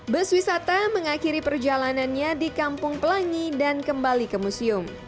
bus wisata mengakhiri perjalanannya di kampung pelangi dan kembali ke museum